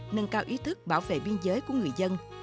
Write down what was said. nâng cao ý thức bảo vệ biên giới của người dân